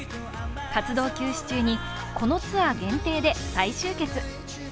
活動休止中に、このツアー限定で再集結。